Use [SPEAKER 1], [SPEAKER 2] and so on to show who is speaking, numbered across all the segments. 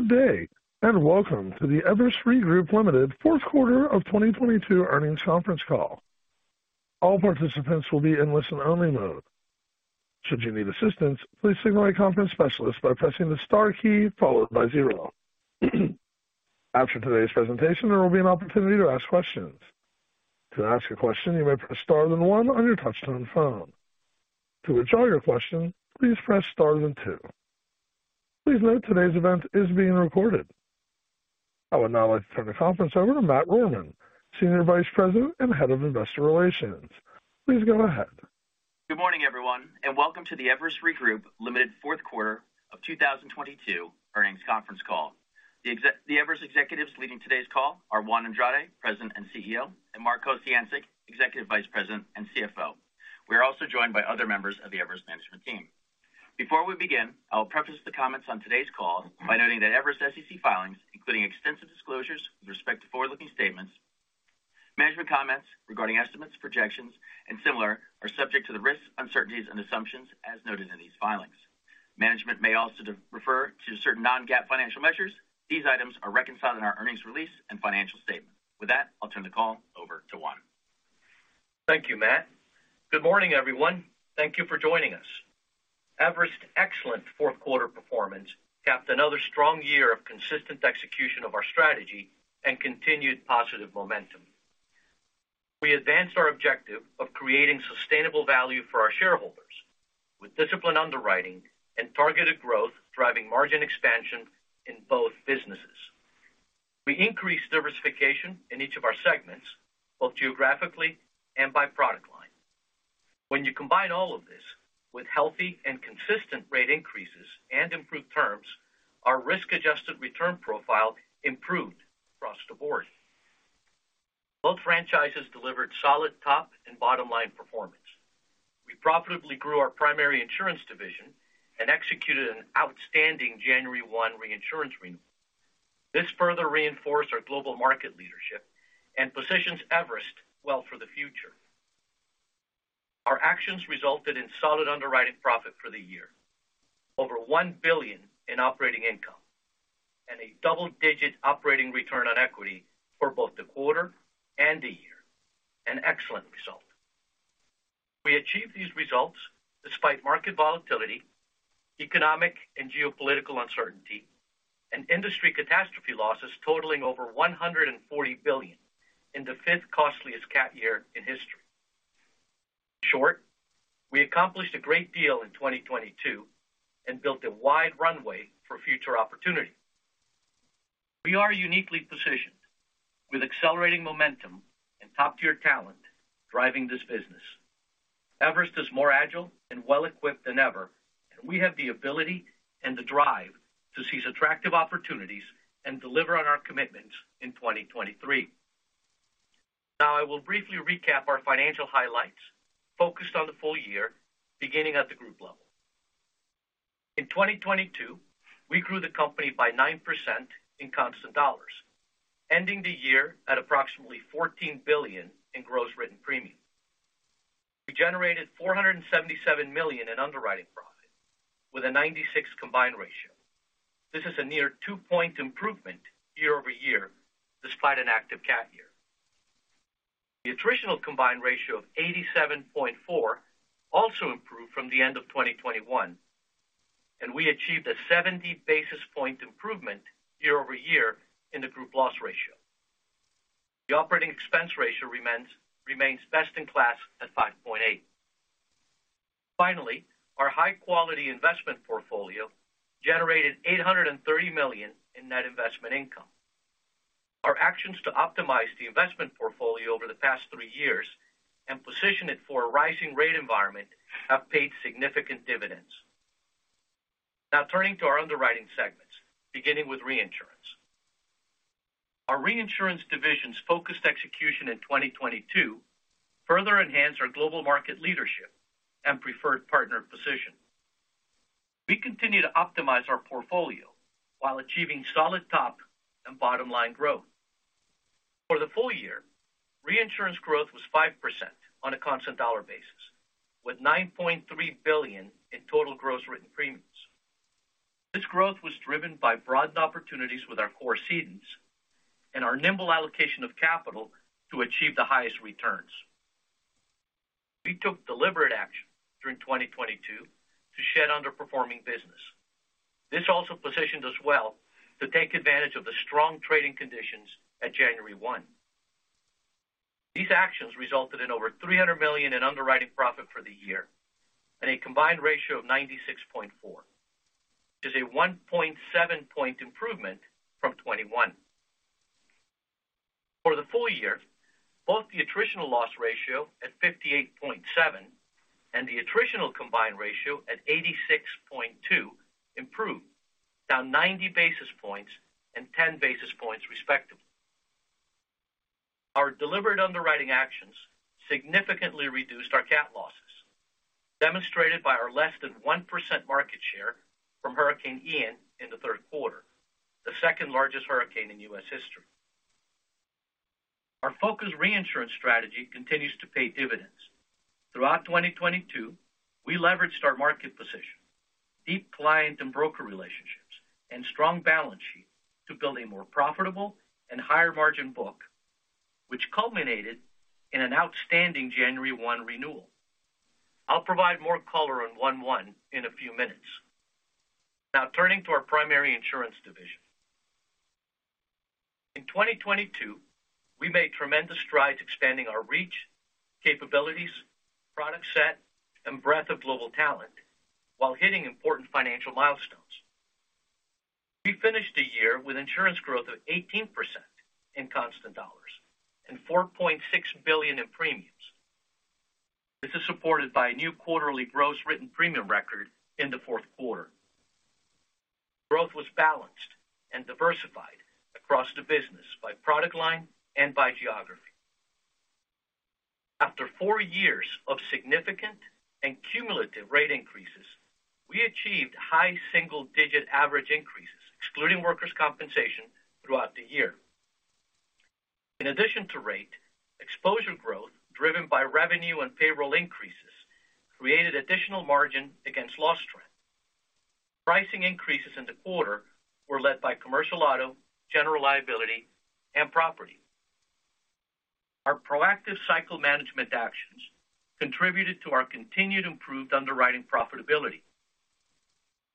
[SPEAKER 1] Good day, and welcome to the Everest Re Group Limited Q4 of 2022 earnings conference call. All participants will be in listen-only mode. Should you need assistance, please signal a conference specialist by pressing the star key followed by zero. After today's presentation, there will be an opportunity to ask questions. To ask a question, you may press star then one on your touch-tone phone. To withdraw your question, please press star then two. Please note today's event is being recorded. I would now like to turn the conference over to Matt Rohrmann, Senior Vice President and Head of Investor Relations. Please go ahead.
[SPEAKER 2] Good morning, everyone, welcome to the Everest Re Group, Ltd. Q4 of 2022 earnings conference call. The Everest executives leading today's call are Juan Andrade, President and CEO, and Mark Kociancic, Executive Vice President and CFO. We are also joined by other members of the Everest management team. Before we begin, I'll preface the comments on today's call by noting that Everest SEC filings, including extensive disclosures with respect to forward-looking statements, management comments regarding estimates, projections, and similar, are subject to the risks, uncertainties, and assumptions as noted in these filings. Management may also refer to certain non-GAAP financial measures. These items are reconciled in our earnings release and financial statement. With that, I'll turn the call over to Juan.
[SPEAKER 3] Thank you, Matt. Good morning, everyone. Thank you for joining us. Everest's excellent Q4 performance capped another strong year of consistent execution of our strategy and continued positive momentum. We advanced our objective of creating sustainable value for our shareholders with disciplined underwriting and targeted growth driving margin expansion in both businesses. We increased diversification in each of our segments, both geographically and by product line. When you combine all of this with healthy and consistent rate increases and improved terms, our risk-adjusted return profile improved across the board. Both franchises delivered solid top and bottom-line performance. We profitably grew our primary insurance division and executed an outstanding January one reinsurance renewal. This further reinforced our global market leadership and positions Everest well for the future. Our actions resulted in solid underwriting profit for the year, over $1 billion in operating income, and a double-digit operating return on equity for both the quarter and the year, an excellent result. We achieved these results despite market volatility, economic and geopolitical uncertainty, and industry catastrophe losses totaling over $140 billion in the fifth costliest cat year in history. In short, we accomplished a great deal in 2022 and built a wide runway for future opportunity. We are uniquely positioned with accelerating momentum and top-tier talent driving this business. Everest is more agile and well-equipped than ever, and we have the ability and the drive to seize attractive opportunities and deliver on our commitments in 2023. Now, I will briefly recap our financial highlights, focused on the full year, beginning at the group level. In 2022, we grew the company by 9% in constant dollars, ending the year at approximately $14 billion in gross written premium. We generated $477 million in underwriting profit with a 96 combined ratio. This is a near two-point improvement year-over-year despite an active cat year. The attritional combined ratio of 87.4 also improved from the end of 2021, and we achieved a 70 basis point improvement year-over-year in the group loss ratio. The operating expense ratio remains best in class at 5.8. Finally, our high-quality investment portfolio generated $830 million in net investment income. Our actions to optimize the investment portfolio over the past 3 years and position it for a rising rate environment have paid significant dividends. Now turning to our underwriting segments, beginning with reinsurance. Our reinsurance division's focused execution in 2022 further enhanced our global market leadership and preferred partner position. We continue to optimize our portfolio while achieving solid top and bottom-line growth. For the full year, reinsurance growth was 5% on a constant dollar basis, with $9.3 billion in total gross written premiums. This growth was driven by broadened opportunities with our core cedents and our nimble allocation of capital to achieve the highest returns. We took deliberate action during 2022 to shed underperforming business. This also positioned us well to take advantage of the strong trading conditions at January 1. These actions resulted in over $300 million in underwriting profit for the year and a combined ratio of 96.4. This is a 1.7 point improvement from 2021. For the full year, both the attritional loss ratio at 58.7 and the attritional combined ratio at 86.2 improved, down 90 basis points and 10 basis points respectively. Our deliberate underwriting actions significantly reduced our cat losses, demonstrated by our less than 1% market share from Hurricane Ian in the Q3, the 2nd-largest hurricane in U.S. history. Our focused reinsurance strategy continues to pay dividends. Throughout 2022, we leveraged our market position, deep client and broker relationships, and strong balance sheet to build a more profitable and higher-margin book, which culminated in an outstanding January 1 renewal. I'll provide more color on 1/1 in a few minutes. Now turning to our primary insurance division. In 2022, we made tremendous strides expanding our reach, capabilities, product set, and breadth of global talent while hitting important financial milestones. We finished the year with insurance growth of 18% in constant dollars and $4.6 billion in premiums. This is supported by a new quarterly gross written premium record in the Q4. Growth was balanced and diversified across the business by product line and by geography. After four years of significant and cumulative rate increases, we achieved high single-digit average increases, excluding workers' compensation throughout the year. In addition to rate, exposure growth, driven by revenue and payroll increases, created additional margin against loss trend. Pricing increases in the quarter were led by commercial auto, general liability, and property. Our proactive cycle management actions contributed to our continued improved underwriting profitability.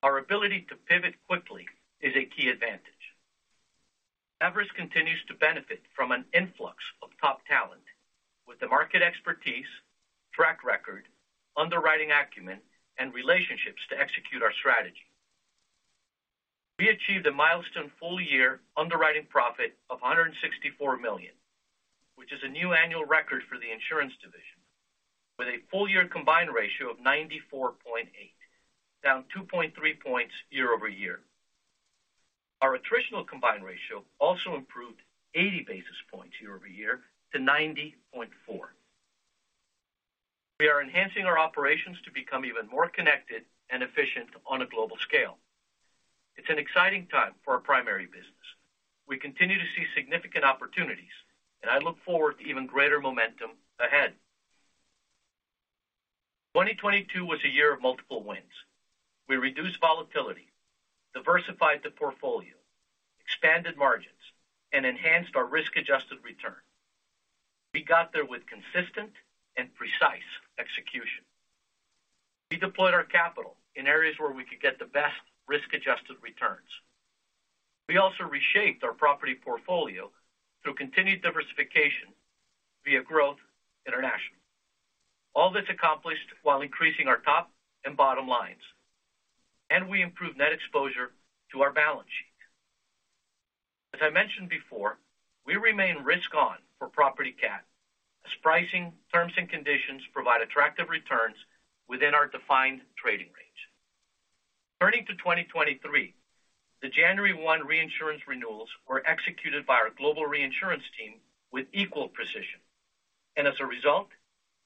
[SPEAKER 3] Our ability to pivot quickly is a key advantage. Everest continues to benefit from an influx of top talent with the market expertise, track record, underwriting acumen, and relationships to execute our strategy. We achieved a milestone full-year underwriting profit of $164 million, which is a new annual record for the insurance division, with a full-year combined ratio of 94.8, down 2.3 points year-over-year. Our attritional combined ratio also improved 80 basis points year-over-year to 90.4. We are enhancing our operations to become even more connected and efficient on a global scale. It's an exciting time for our primary business. We continue to see significant opportunities, I look forward to even greater momentum ahead. 2022 was a year of multiple wins. We reduced volatility, diversified the portfolio, expanded margins, and enhanced our risk-adjusted return. We got there with consistent and precise execution. We deployed our capital in areas where we could get the best risk-adjusted returns. We also reshaped our property portfolio through continued diversification via growth international. All this accomplished while increasing our top and bottom lines, and we improved net exposure to our balance sheet. As I mentioned before, we remain risk on for property cat as pricing, terms, and conditions provide attractive returns within our defined trading range. Turning to 2023, the January 1 reinsurance renewals were executed by our global reinsurance team with equal precision. As a result,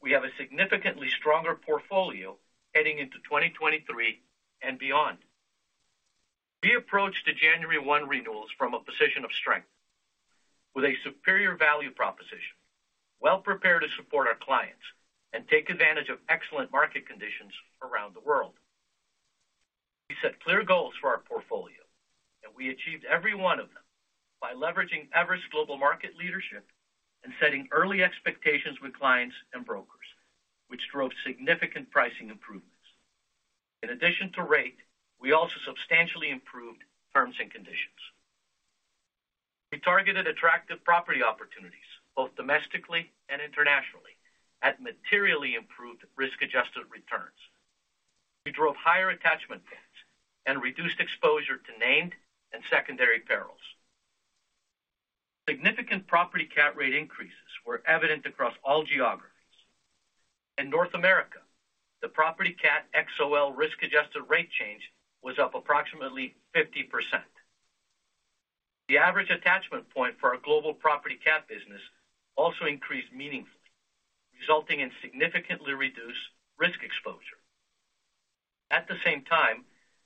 [SPEAKER 3] we have a significantly stronger portfolio heading into 2023 and beyond. We approached the January 1 renewals from a position of strength with a superior value proposition, well-prepared to support our clients and take advantage of excellent market conditions around the world. We set clear goals for our portfolio, and we achieved every one of them by leveraging Everest global market leadership and setting early expectations with clients and brokers, which drove significant pricing improvements. In addition to rate, we also substantially improved terms and conditions. We targeted attractive property opportunities, both domestically and internationally, at materially improved risk-adjusted returns. We drove higher attachment tags and reduced exposure to named and secondary perils. Significant property cat rate increases were evident across all geographies. In North America, the property cat XOL risk-adjusted rate change was up approximately 50%. The average attachment point for our global property cat business also increased meaningfully, resulting in significantly reduced risk exposure. At the same time,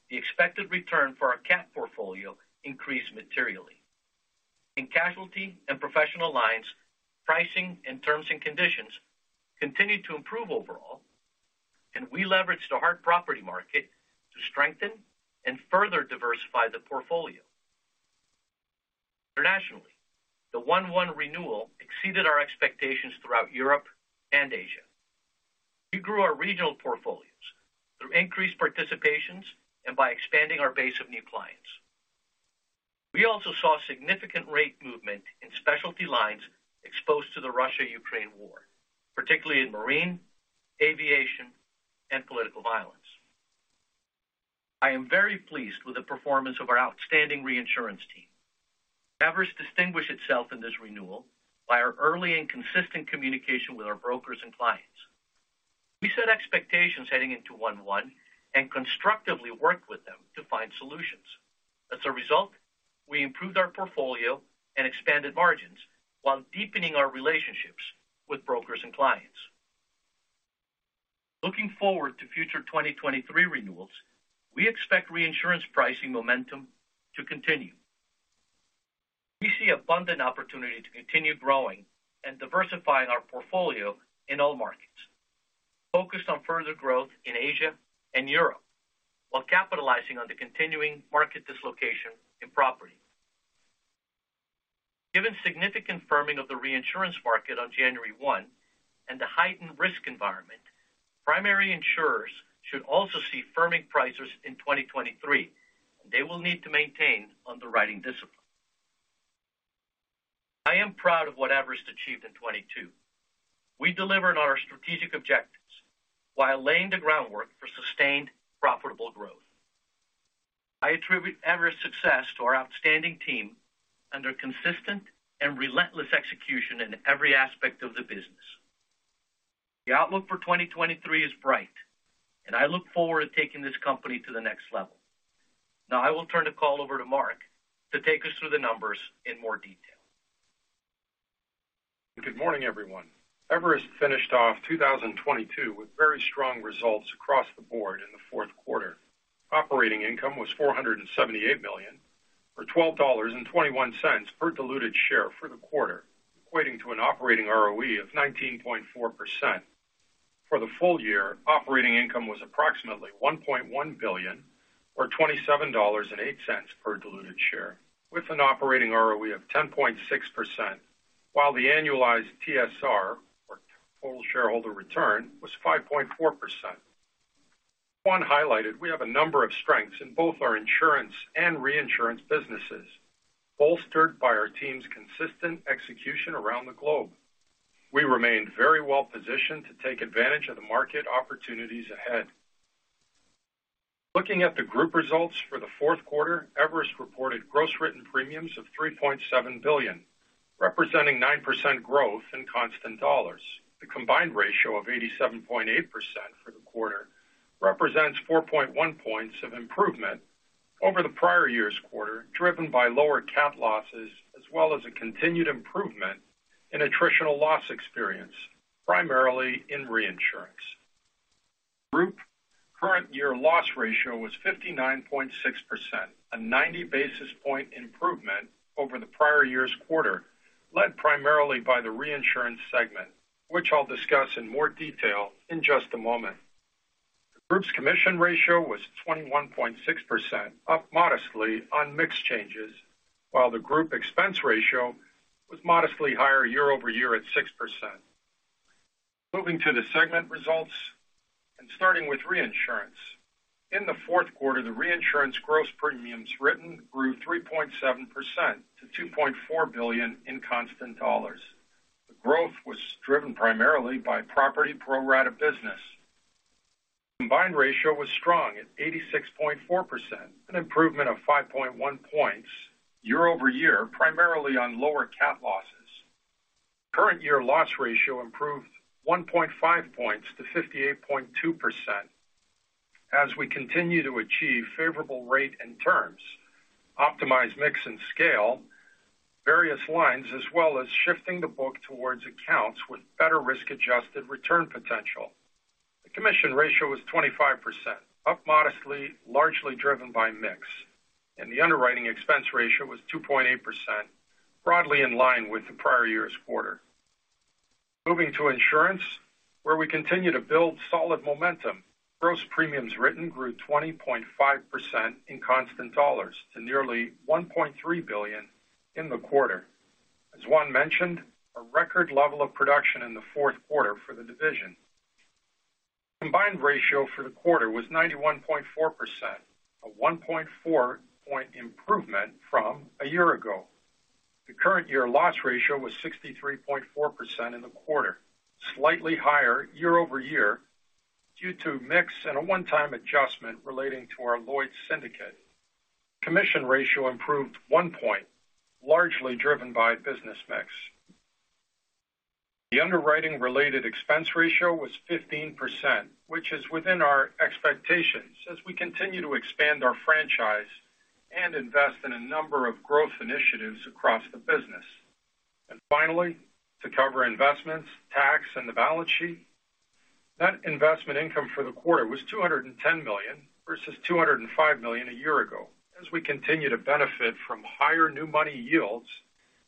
[SPEAKER 3] the expected return for our cat portfolio increased materially. In casualty and professional lines, pricing and terms and conditions continued to improve overall. We leveraged the hard property market to strengthen and further diversify the portfolio. Internationally, the 1/1 renewal exceeded our expectations throughout Europe and Asia. We grew our regional portfolios through increased participations and by expanding our base of new clients. We also saw significant rate movement in specialty lines exposed to the Russia-Ukraine war, particularly in marine, aviation, and political violence. I am very pleased with the performance of our outstanding reinsurance team. Everest distinguished itself in this renewal by our early and consistent communication with our brokers and clients. We set expectations heading into 1/1 and constructively worked with them to find solutions. As a result, we improved our portfolio and expanded margins while deepening our relationships with brokers and clients. Looking forward to future 2023 renewals, we expect reinsurance pricing momentum to continue. We see abundant opportunity to continue growing and diversifying our portfolio in all markets, focused on further growth in Asia and Europe, while capitalizing on the continuing market dislocation in property. Given significant firming of the reinsurance market on January 1 and the heightened risk environment, primary insurers should also see firming prices in 2023, and they will need to maintain underwriting discipline. I am proud of what Everest achieved in 2022. We delivered on our strategic objectives while laying the groundwork for sustained profitable growth. I attribute Everest's success to our outstanding team under consistent and relentless execution in every aspect of the business. The outlook for 2023 is bright, and I look forward to taking this company to the next level. Now, I will turn the call over to Mark to take us through the numbers in more detail.
[SPEAKER 4] Good morning, everyone. Everest finished off 2022 with very strong results across the board in the Q4. Operating income was $478 million, or $12.21 per diluted share for the quarter, equating to an operating ROE of 19.4%. For the full year, operating income was approximately $1.1 billion or $27.08 per diluted share, with an operating ROE of 10.6%, while the annualized TSR, or total shareholder return, was 5.4%. Juan highlighted we have a number of strengths in both our insurance and reinsurance businesses, bolstered by our team's consistent execution around the globe. We remain very well-positioned to take advantage of the market opportunities ahead. Looking at the group results for the Q4, Everest reported gross written premiums of $3.7 billion, representing 9% growth in constant dollars. The combined ratio of 87.8% for the quarter represents 4.1 points of improvement over the prior year's quarter, driven by lower cat losses as well as a continued improvement in attritional loss experience, primarily in reinsurance. Group current year loss ratio was 59.6%, a 90 basis point improvement over the prior year's quarter, led primarily by the reinsurance segment, which I'll discuss in more detail in just a moment. The group's commission ratio was 21.6%, up modestly on mix changes, while the group expense ratio was modestly higher year-over-year at 6%. Moving to the segment results and starting with reinsurance. In the Q4, the reinsurance gross premiums written grew 3.7% to $2.4 billion in constant dollars. The growth was driven primarily by property pro-rata business. Combined ratio was strong at 86.4%, an improvement of 5.1 points year-over-year, primarily on lower cat losses. Current year loss ratio improved 1.5 points to 58.2% as we continue to achieve favorable rate and terms, optimize mix and scale various lines, as well as shifting the book towards accounts with better risk-adjusted return potential. The commission ratio was 25%, up modestly, largely driven by mix, and the underwriting expense ratio was 2.8%, broadly in line with the prior year's quarter. Moving to insurance, where we continue to build solid momentum, gross premiums written grew 20.5% in constant dollars to nearly $1.3 billion in the quarter. As Juan mentioned, a record level of production in the Q4 for the division. Combined ratio for the quarter was 91.4%, a 1.4-point improvement from a year ago. The current year loss ratio was 63.4% in the quarter, slightly higher year-over-year due to mix and a one-time adjustment relating to our Lloyd's Syndicate. Commission ratio improved one point, largely driven by business mix. The underwriting-related expense ratio was 15%, which is within our expectations as we continue to expand our franchise and invest in a number of growth initiatives across the business. Finally, to cover investments, tax, and the balance sheet. Net investment income for the quarter was $210 million versus $205 million a year ago, as we continue to benefit from higher new money yields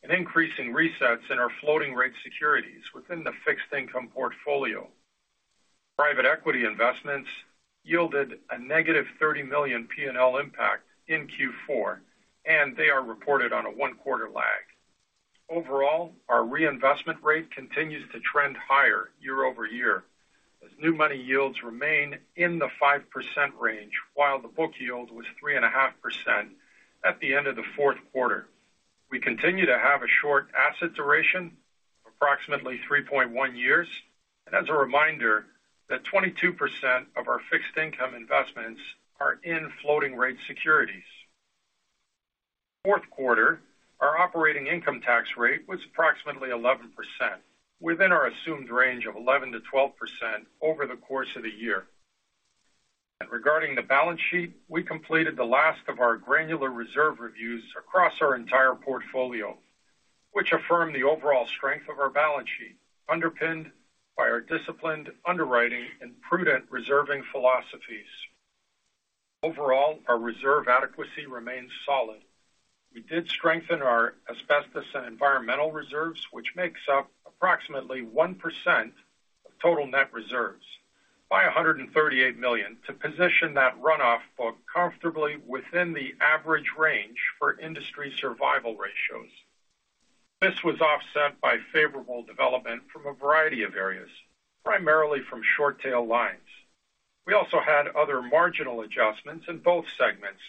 [SPEAKER 4] and increasing resets in our floating rate securities within the fixed income portfolio. Private equity investments yielded a -$30 million P&L impact in Q4. They are reported on a one-quarter lag. Overall, our reinvestment rate continues to trend higher year-over-year as new money yields remain in the 5% range, while the book yield was 3.5% at the end of the Q4. We continue to have a short asset duration of approximately 3.1 years. As a reminder that 22% of our fixed income investments are in floating rate securities. Q4, our operating income tax rate was approximately 11%, within our assumed range of 11%-12% over the course of the year. Regarding the balance sheet, we completed the last of our granular reserve reviews across our entire portfolio, which affirmed the overall strength of our balance sheet, underpinned by our disciplined underwriting and prudent reserving philosophies. Overall, our reserve adequacy remains solid. We did strengthen our asbestos and environmental reserves, which makes up approximately 1% of total net reserves by $138 million, to position that runoff book comfortably within the average range for industry survival ratios. This was offset by favorable development from a variety of areas, primarily from short tail lines. We also had other marginal adjustments in both segments,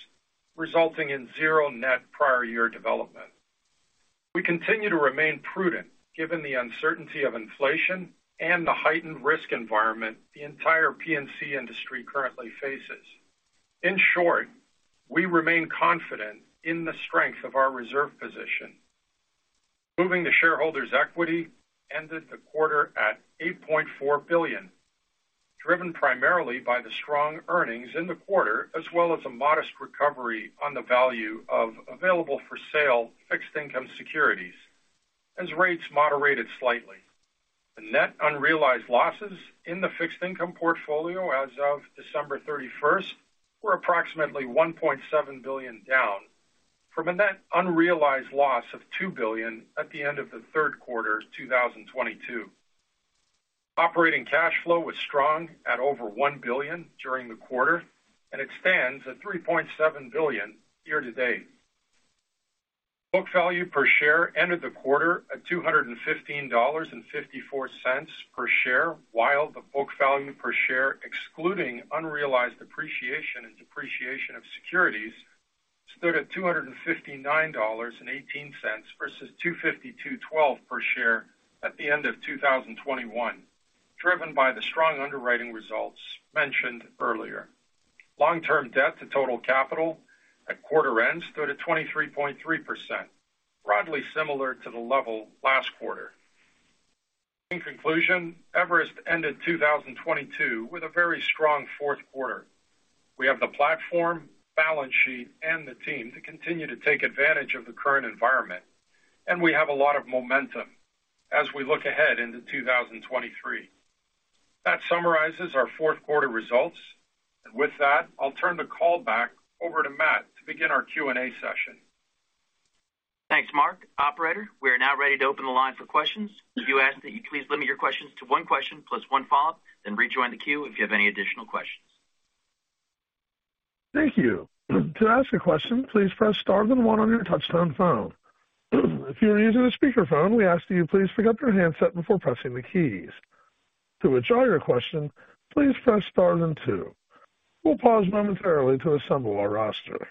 [SPEAKER 4] resulting in zero net prior year development. We continue to remain prudent given the uncertainty of inflation and the heightened risk environment the entire P&C industry currently faces. In short, we remain confident in the strength of our reserve position. Moving to shareholders' equity ended the quarter at $8.4 billion, driven primarily by the strong earnings in the quarter, as well as a modest recovery on the value of available-for-sale fixed income securities as rates moderated slightly. The net unrealized losses in the fixed income portfolio as of December 31st were approximately $1.7 billion, down from a net unrealized loss of $2 billion at the end of the Q3 2022. Operating cash flow was strong at over $1 billion during the quarter. It stands at $3.7 billion year-to-date. Book value per share ended the quarter at $215.54 per share, while the book value per share, excluding unrealized appreciation and depreciation of securities, stood at $259.18 versus $252.12 per share at the end of 2021, driven by the strong underwriting results mentioned earlier. Long-term debt to total capital at quarter end stood at 23.3%, broadly similar to the level last quarter. In conclusion, Everest ended 2022 with a very strong Q4. We have the platform, balance sheet, and the team to continue to take advantage of the current environment, and we have a lot of momentum as we look ahead into 2023. That summarizes our Q4 results. With that, I'll turn the call back over to Matt to begin our Q&A session.
[SPEAKER 2] Thanks, Mark. Operator, we are now ready to open the line for questions. We do ask that you please limit your questions to one question plus one follow-up, then rejoin the queue if you have any additional questions.
[SPEAKER 1] Thank you. To ask a question, please press star then one on your touch-tone phone. If you are using a speakerphone, we ask that you please pick up your handset before pressing the keys. To withdraw your question, please press star then two. We'll pause momentarily to assemble our roster.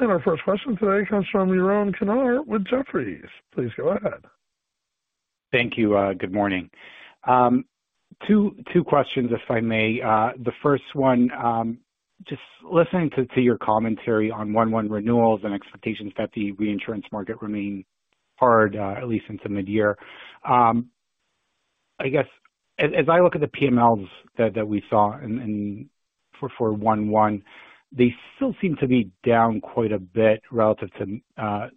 [SPEAKER 1] Our first question today comes from Yaron Kinar with Jefferies. Please go ahead.
[SPEAKER 5] Thank you. Good morning. Two questions, if I may. The first one, just listening to your commentary on 1/1 renewals and expectations that the reinsurance market remain hard, at least into mid-year. I guess as I look at the PMLs that we saw in for 1/1, they still seem to be down quite a bit relative to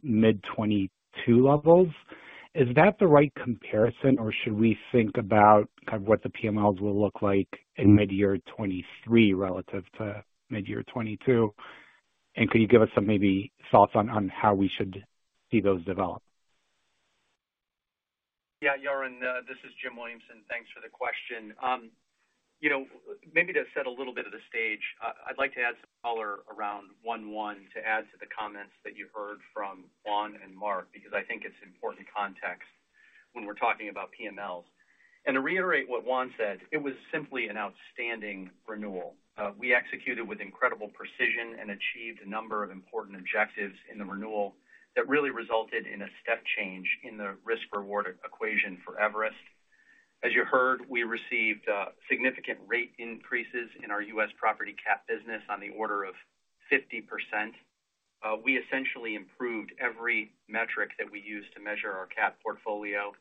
[SPEAKER 5] mid 2022 levels. Is that the right comparison or should we think about kind of what the PMLs will look like in mid-year 2023 relative to mid-year 2022? Could you give us some maybe thoughts on how we should see those develop?
[SPEAKER 6] Yeah, Yaron Kinar, this is Jim Williamson. Thanks for the question. You know, maybe to set a little bit of the stage, I'd like to add some color around one-one to add to the comments that you heard from Juan C. Andrade and Mark Kociancic, because I think it's important context when we're talking about PMLs. To reiterate what Juan C. Andrade said, it was simply an outstanding renewal. We executed with incredible precision and achieved a number of important objectives in the renewal that really resulted in a step change in the risk reward equation for Everest. As you heard, we received significant rate increases in our U.S. property cat business on the order of 50%. We essentially improved every metric that we use to measure our cat portfolio.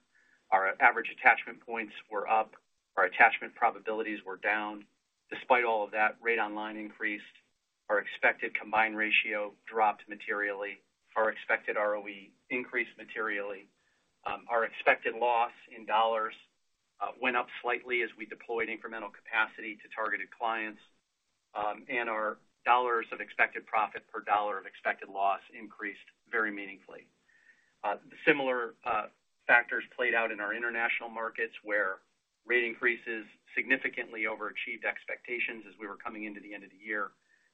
[SPEAKER 6] Our average attachment points were up. Our attachment probabilities were down. Despite all of that, rate on line increased. Our expected combined ratio dropped materially. Our expected ROE increased materially. Our expected loss in dollars went up slightly as we deployed incremental capacity to targeted clients. Our dollars of expected profit per dollar of expected loss increased very meaningfully. Similar factors played out in our international markets, where rate increases significantly overachieved expectations as we were coming into the end of the year.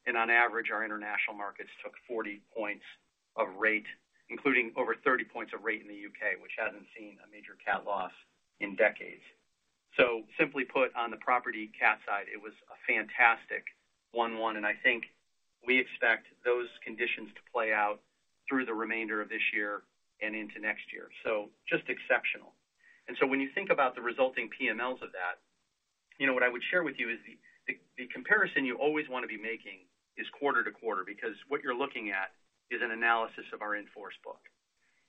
[SPEAKER 6] On average, our international markets took 40 points of rate, including over 30 points of rate in the U.K., which hasn't seen a major cat loss in decades. Simply put, on the property cat side, it was a fantastic one-one, and I think we expect those conditions to play out through the remainder of this year and into next year. Just exceptional. When you think about the resulting PMLs of that. You know, what I would share with you is the comparison you always want to be making is quarter to quarter, because what you're looking at is an analysis of our in-force book.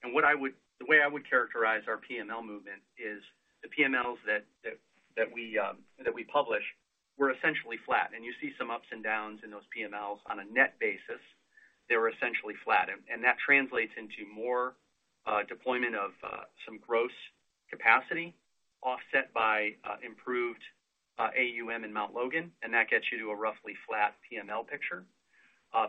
[SPEAKER 6] The way I would characterize our PML movement is the PMLs that we publish were essentially flat. You see some ups and downs in those PMLs on a net basis, they were essentially flat. That translates into more deployment of some gross capacity offset by improved AUM in Mt. Logan, and that gets you to a roughly flat PML picture.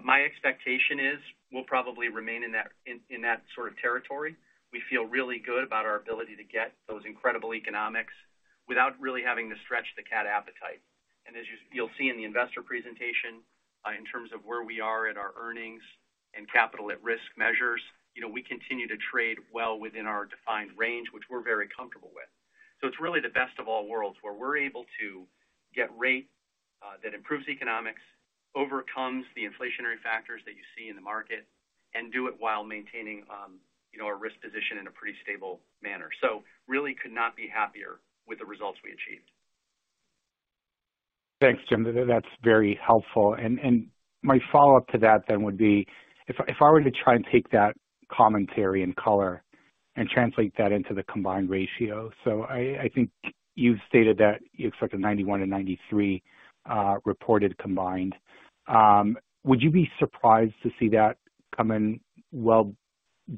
[SPEAKER 6] My expectation is we'll probably remain in that sort of territory. We feel really good about our ability to get those incredible economics without really having to stretch the cat appetite. As you'll see in the investor presentation, in terms of where we are at our earnings and capital at risk measures, you know, we continue to trade well within our defined range, which we're very comfortable with. It's really the best of all worlds, where we're able to get rate that improves economics, overcomes the inflationary factors that you see in the market, and do it while maintaining, you know, our risk position in a pretty stable manner. Really could not be happier with the results we achieved.
[SPEAKER 5] Thanks, Jim. That's very helpful. My follow-up to that then would be if I were to try and take that commentary and color and translate that into the combined ratio. I think you've stated that you expect a 91-93 reported combined. Would you be surprised to see that come in well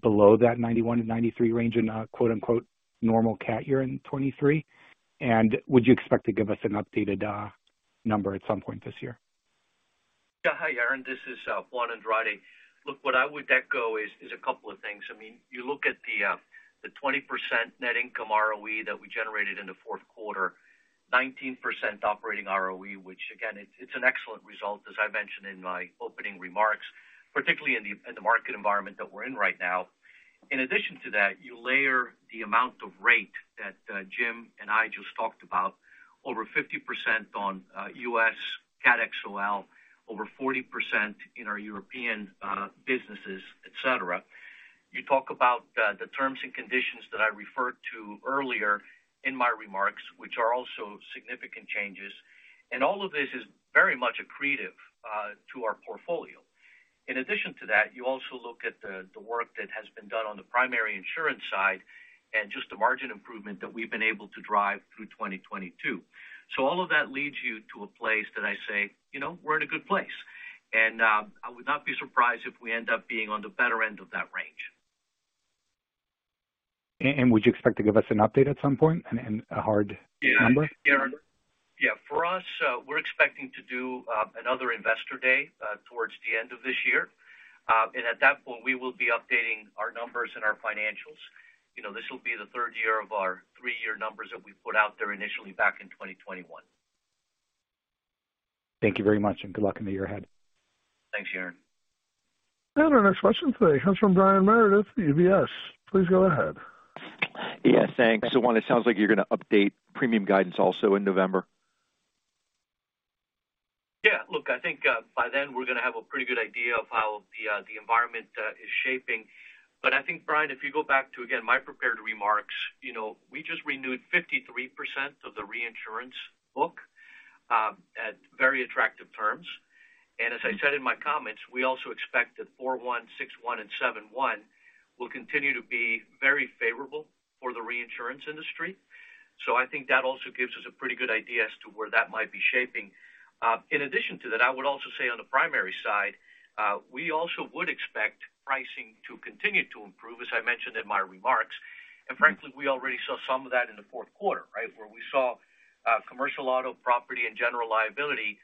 [SPEAKER 5] below that 91-93 range in a quote-unquote normal cat year in 2023? Would you expect to give us an updated number at some point this year?
[SPEAKER 3] Yeah. Hi, Yaron. This is Juan Andrade. Look, what I would echo is a couple of things. I mean, you look at the 20% net income ROE that we generated in the Q4, 19% operating ROE, which again, it's an excellent result, as I mentioned in my opening remarks, particularly in the market environment that we're in right now. In addition to that, you layer the amount of rate that Jim and I just talked about, over 50% on U.S. cat XOL, over 40% in our European businesses, et cetera. You talk about the terms and conditions that I referred to earlier in my remarks, which are also significant changes. All of this is very much accretive to our portfolio. In addition to that, you also look at the work that has been done on the primary insurance side and just the margin improvement that we've been able to drive through 2022. All of that leads you to a place that I say, you know, we're in a good place, and I would not be surprised if we end up being on the better end of that range.
[SPEAKER 5] And would you expect to give us an update at some point and a hard number?
[SPEAKER 3] Yeah. Yaron. Yeah, for us, we're expecting to do another investor day towards the end of this year. At that point, we will be updating our numbers and our financials. You know, this will be the third year of our 3-year numbers that we put out there initially back in 2021.
[SPEAKER 5] Thank you very much. Good luck in the year ahead.
[SPEAKER 3] Thanks, Yaron.
[SPEAKER 1] Our next question today comes from Brian Meredith, UBS. Please go ahead.
[SPEAKER 7] Yes, thanks. Juan, it sounds like you're gonna update premium guidance also in November.
[SPEAKER 3] Yeah. Look, I think, by then we're gonna have a pretty good idea of how the environment is shaping. I think, Brian, if you go back to, again, my prepared remarks, you know, we just renewed 53% of the reinsurance book at very attractive terms. As I said in my comments, we also expect that 4/1, 6/1, and 7/1 will continue to be very favorable for the reinsurance industry. I think that also gives us a pretty good idea as to where that might be shaping. In addition to that, I would also say on the primary side, we also would expect pricing to continue to improve, as I mentioned in my remarks. Frankly, we already saw some of that in the Q4, right? Where we saw commercial auto, property, and general liability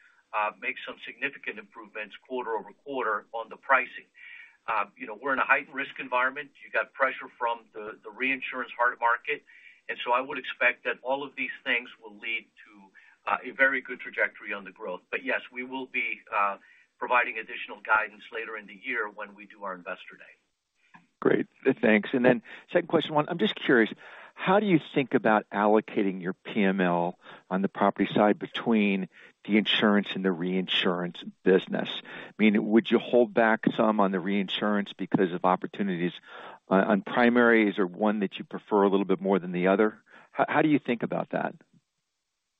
[SPEAKER 3] make some significant improvements quarter-over-quarter on the pricing. You know, we're in a heightened risk environment. You got pressure from the reinsurance hard market. I would expect that all of these things will lead to a very good trajectory on the growth. Yes, we will be providing additional guidance later in the year when we do our investor day.
[SPEAKER 7] Great. Thanks. Second question, Juan. I'm just curious, how do you think about allocating your PML on the property side between the insurance and the reinsurance business? I mean, would you hold back some on the reinsurance because of opportunities on primary? Is there one that you prefer a little bit more than the other? How do you think about that?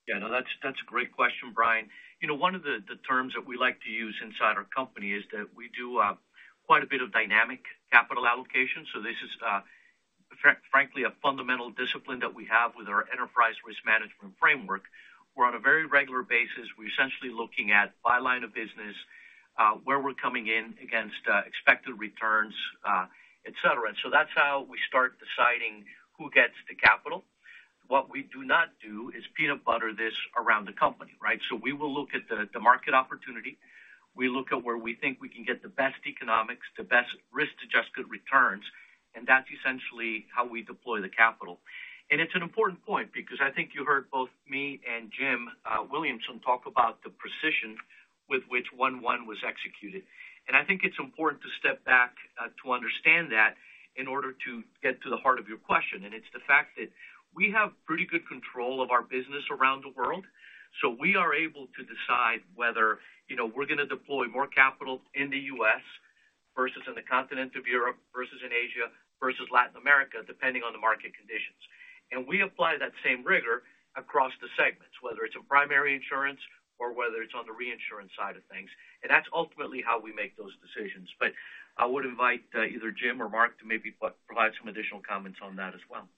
[SPEAKER 3] Yeah, no, that's a great question, Brian Meredith. You know, one of the terms that we like to use inside our company is that we do quite a bit of dynamic capital allocation. This is frankly a fundamental discipline that we have with our enterprise risk management framework, where on a very regular basis, we're essentially looking at by line of business, where we're coming in against expected returns, et cetera. That's how we start deciding who gets the capital. What we do not do is peanut butter this around the company, right? We will look at the market opportunity. We look at where we think we can get the best economics, the best risk-adjusted returns, and that's essentially how we deploy the capital. It's an important point because I think you heard both me and Jim Williamson talk about the precision with which one one was executed. I think it's important to step back to understand that in order to get to the heart of your question. It's the fact that we have pretty good control of our business around the world, so we are able to decide whether, you know, we're gonna deploy more capital in the U.S. Versus in the continent of Europe, versus in Asia, versus Latin America, depending on the market conditions. We apply that same rigor across the segments, whether it's in primary insurance or whether it's on the reinsurance side of things. That's ultimately how we make those decisions. I would invite either Jim or Mark to maybe provide some additional comments on that as well.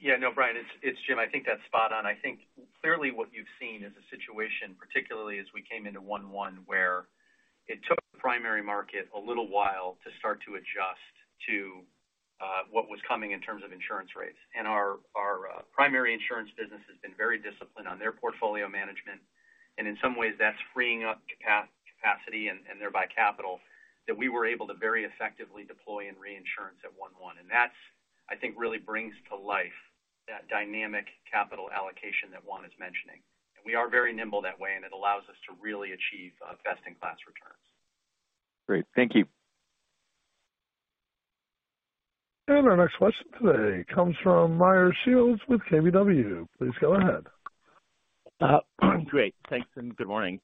[SPEAKER 6] Yeah, no, Brian, it's Jim. I think that's spot on. I think clearly what you've seen is a situation, particularly as we came into one-one where it took the primary market a little while to start to adjust to, what was coming in terms of insurance rates. Our, primary insurance business has been very disciplined on their portfolio management. In some ways, that's freeing up capacity and thereby capital that we were able to very effectively deploy in reinsurance at one-one. That's, I think, really brings to life that dynamic capital allocation that Juan is mentioning. We are very nimble that way, and it allows us to really achieve, best-in-class returns.
[SPEAKER 7] Great. Thank you.
[SPEAKER 1] Our next question today comes from Meyer Shields with KBW. Please go ahead.
[SPEAKER 8] Great. Thanks. Good morning.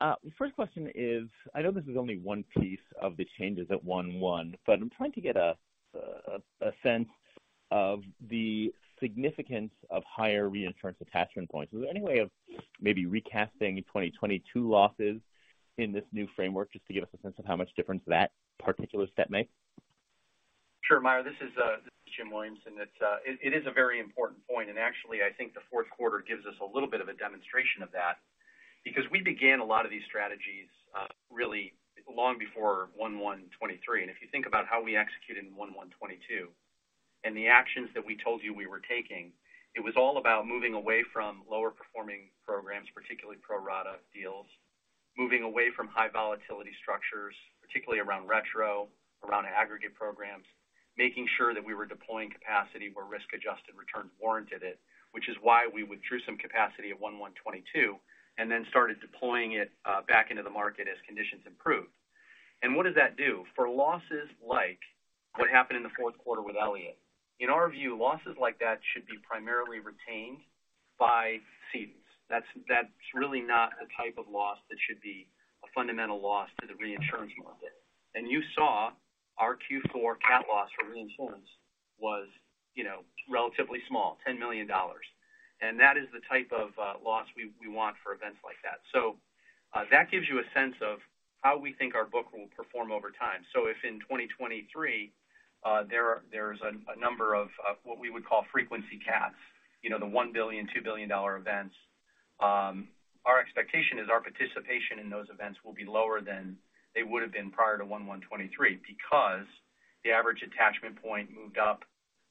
[SPEAKER 8] The first question is, I know this is only one piece of the changes at 1/1, I'm trying to get a sense of the significance of higher reinsurance attachment points. Is there any way of maybe recasting 2022 losses in this new framework just to give us a sense of how much difference that particular step made?
[SPEAKER 6] Sure, Meyer, this is Jim Williamson. It is a very important point, actually, I think the Q4 gives us a little bit of a demonstration of that because we began a lot of these strategies really long before 1/1/2023. If you think about how we executed in 1/1/2022 and the actions that we told you we were taking, it was all about moving away from lower performing programs, particularly pro-rata deals, moving away from high volatility structures, particularly around retro, around aggregate programs, making sure that we were deploying capacity where risk-adjusted returns warranted it, which is why we withdrew some capacity at 1/1/2022 and then started deploying it back into the market as conditions improved. What does that do? For losses like what happened in the Q4 with Elliott, in our view, losses like that should be primarily retained by cedents. That's really not the type of loss that should be a fundamental loss to the reinsurance market. You saw our Q4 cat loss for reinsurance was, you know, relatively small, $10 million. That is the type of loss we want for events like that. That gives you a sense of how we think our book will perform over time. If in 2023, there's a number of what we would call frequency cats, you know, the $1 billion, $2 billion events, our expectation is our participation in those events will be lower than they would have been prior to 1/1/2023 because the average attachment point moved up.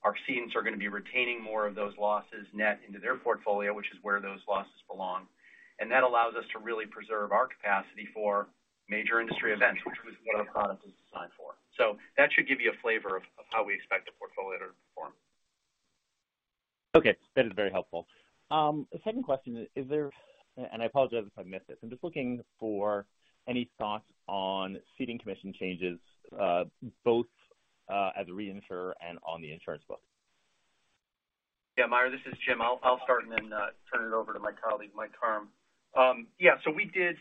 [SPEAKER 6] Our cedents are going to be retaining more of those losses net into their portfolio, which is where those losses belong. That allows us to really preserve our capacity for major industry events, which is what our product is designed for. That should give you a flavor of how we expect the portfolio to perform.
[SPEAKER 8] Okay. That is very helpful. The second question, is there I apologize if I missed this? I'm just looking for any thoughts on ceding commission changes, both as a reinsurer and on the insurance book.
[SPEAKER 6] Yeah, Meyer, this is Jim. I'll start and then turn it over to my colleague, Michael Karmilowicz. Yeah, we did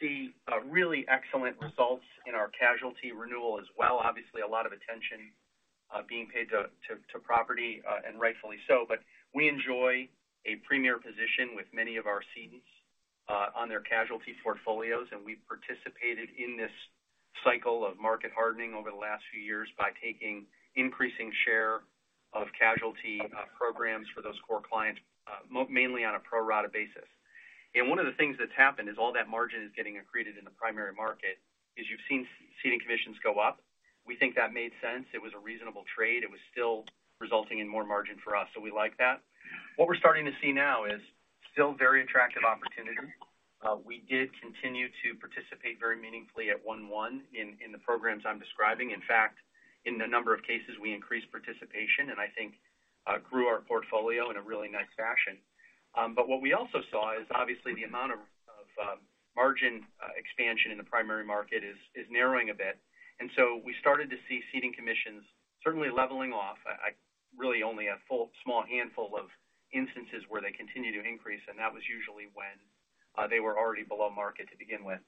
[SPEAKER 6] see really excellent results in our casualty renewal as well. Obviously, a lot of attention being paid to property, and rightfully so. We enjoy a premier position with many of our cedents on their casualty portfolios, and we participated in this cycle of market hardening over the last few years by taking increasing share of casualty programs for those core clients mainly on a pro-rata basis. One of the things that's happened is all that margin is getting accreted in the primary market is you've seen ceding commissions go up. We think that made sense. It was a reasonable trade. It was still resulting in more margin for us, so we like that. What we're starting to see now is still very attractive opportunity. We did continue to participate very meaningfully at 1/1 in the programs I'm describing. In fact, in a number of cases, we increased participation and I think grew our portfolio in a really nice fashion. What we also saw is obviously the amount of margin expansion in the primary market is narrowing a bit. We started to see ceding commissions certainly leveling off. Really only a full small handful of instances where they continued to increase, and that was usually when they were already below market to begin with.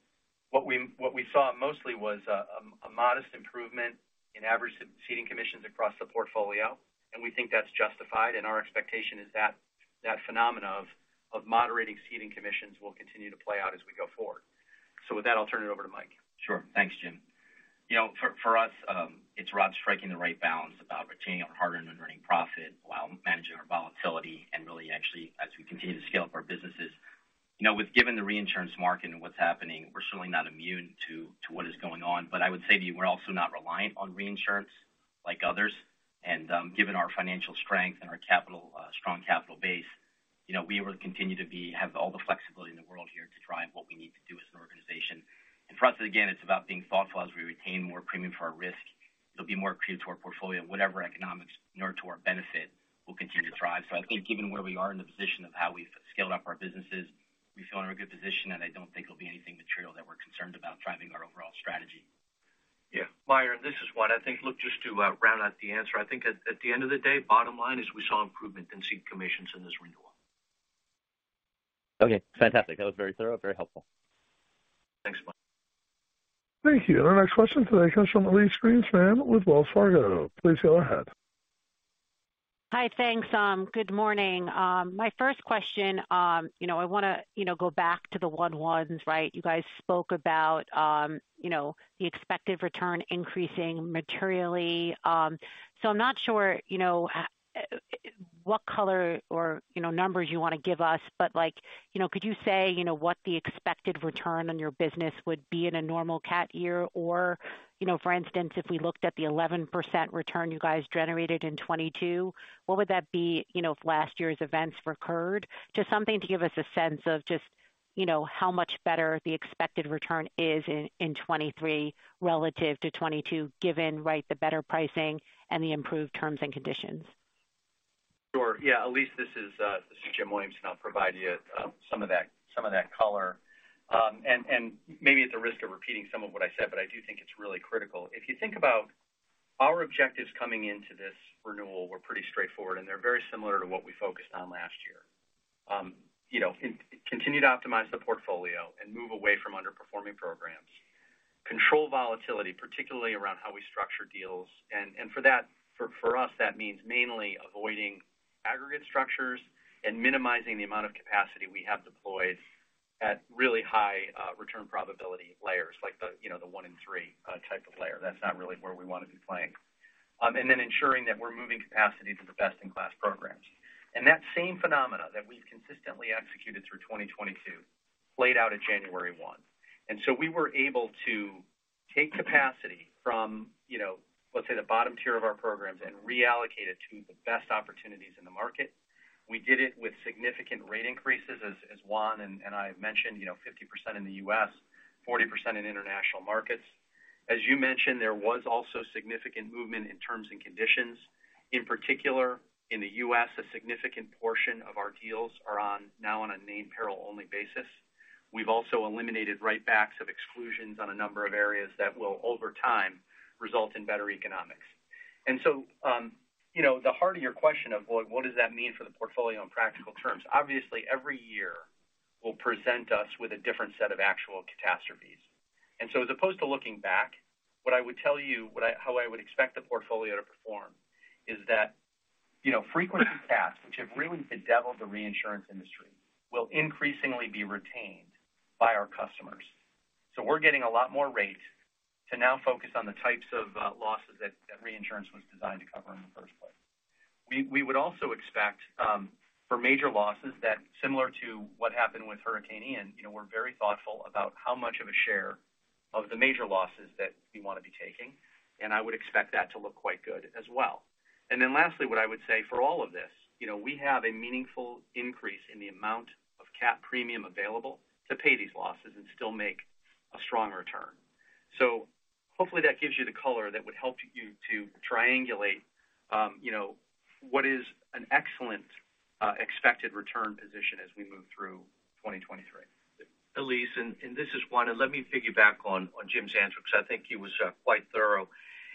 [SPEAKER 6] What we saw mostly was a modest improvement in average ceding commissions across the portfolio. We think that's justified. Our expectation is that that phenomena of moderating ceding commissions will continue to play out as we go forward. With that, I'll turn it over to Mike.
[SPEAKER 9] Sure. Thanks Jim. You know, for us, it's about striking the right balance, about retaining our hard-earned and earning profit while managing our volatility and really actually as we continue to scale up our businesses. You know, with given the reinsurance market and what's happening, we're certainly not immune to what is going on. I would say to you, we're also not reliant on reinsurance like others. Given our financial strength and our capital, strong capital base, you know, we will continue to have all the flexibility in the world here to drive what we need to do as an organization. For us, again, it's about being thoughtful as we retain more premium for our risk. There'll be more accretive to our portfolio, whatever economics in order to our benefit will continue to thrive. I think given where we are in the position of how we've scaled up our businesses, we feel in a good position, and I don't think there'll be anything material that we're concerned about driving our overall strategy.
[SPEAKER 3] Meyer, this is Juan. I think, look, just to round out the answer. I think at the end of the day, bottom line is we saw improvement in ceding commissions in this renewal.
[SPEAKER 8] Okay, fantastic. That was very thorough, very helpful.
[SPEAKER 6] Thanks, Meyer.
[SPEAKER 1] Thank you. Our next question today comes from Elyse Greenspan with Wells Fargo. Please go ahead.
[SPEAKER 10] Hi. Thanks. Good morning. My first question, you know, I want to, you know, go back to the 1/1s, right? You guys spoke about, you know, the expected return increasing materially. I'm not sure, you know, what color or, you know, numbers you want to give us, but like, you know, could you say, you know, what the expected return on your business would be in a normal cat year? Or, you know, for instance, if we looked at the 11% return you guys generated in 2022, what would that be, you know, if last year's events recurred? Just something to give us a sense of just, you know, how much better the expected return is in 2023 relative to 2022, given, right, the better pricing and the improved terms and conditions.
[SPEAKER 6] Sure. Yeah. Elyse, this is Jim Williamson. I'll provide you some of that, some of that color. Maybe at the risk of repeating some of what I said, but I do think it's really critical. If you think about our objectives coming into this renewal were pretty straightforward, and they're very similar to what we focused on last year. You know, continue to optimize the portfolio and move away from underperforming programs. Control volatility, particularly around how we structure deals. For that, for us, that means mainly avoiding aggregate structures and minimizing the amount of capacity we have deployed at really high return probability layers, like the, you know, the one in three type of layer. That's not really where we want to be playing. Ensuring that we're moving capacity to the best in class programs. That same phenomena that we've consistently executed through 2022 played out at January 1. We were able to take capacity from, you know, let's say, the bottom tier of our programs and reallocate it to the best opportunities in the market. We did it with significant rate increases, as Juan and I have mentioned, you know, 50% in the U.S., 40% in international markets. There was also significant movement in terms and conditions. In particular, in the U.S., a significant portion of our deals are on, now on a named peril-only basis. We've also eliminated write backs of exclusions on a number of areas that will, over time, result in better economics. You know, the heart of your question of, well, what does that mean for the portfolio in practical terms? Obviously, every year will present us with a different set of actual catastrophes. As opposed to looking back, how I would expect the portfolio to perform is that, you know, frequency cats, which have really bedeviled the reinsurance industry, will increasingly be retained by our customers. We're getting a lot more rate to now focus on the types of losses that reinsurance was designed to cover in the first place. We would also expect for major losses that similar to what happened with Hurricane Ian, you know, we're very thoughtful about how much of a share of the major losses that we want to be taking, and I would expect that to look quite good as well. Lastly, what I would say for all of this, you know, we have a meaningful increase in the amount of cat premium available to pay these losses and still make a strong return. Hopefully that gives you the color that would help you to triangulate, you know, what is an excellent expected return position as we move through 2023.
[SPEAKER 3] Elyse, and this is Juan. Let me piggyback on Jim's answer because I think he was quite thorough.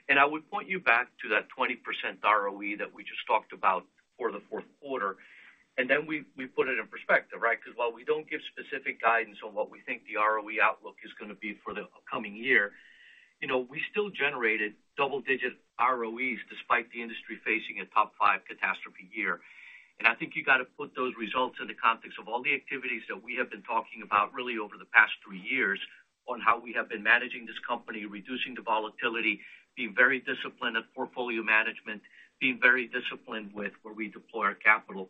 [SPEAKER 3] I would point you back to that 20% ROE that we just talked about for the Q4. Then we put it in perspective, right? Because while we don't give specific guidance on what we think the ROE outlook is going to be for the coming year, you know, we still generated double-digit ROEs despite the industry facing a top five catastrophe year. I think you got to put those results in the context of all the activities that we have been talking about really over the past three years on how we have been managing this company, reducing the volatility, being very disciplined at portfolio management, being very disciplined with where we deploy our capital.